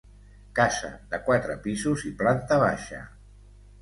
Casa de quatre pisos i planta baixa.